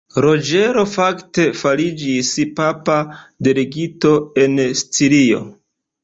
Roĝero, fakte, fariĝis papa delegito en Sicilio.